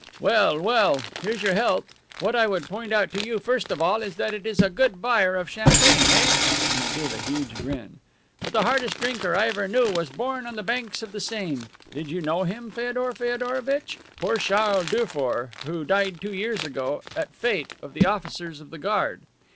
"Well, well, here's your health! What I would point out to you first of all is that it is a good buyer of champagne, eh?" and he gave a huge grin. "But the hardest drinker I ever knew was born on the banks of the Seine. Did you know him, Feodor Feodorovitch? Poor Charles Dufour, who died two years ago at fete of the officers of the Guard.